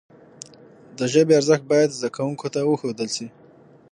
د ژبي ارزښت باید زدهکوونکو ته وښودل سي.